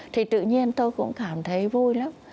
thì tự nhiên tôi cũng cảm thấy vui lắm